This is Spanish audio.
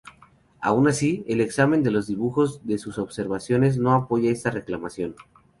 Aun así, el examen de los dibujos de sus observaciones no apoya esta reclamación.